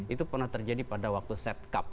itu pernah terjadi pada waktu set cup